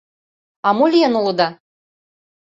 — А мо лийын улыда?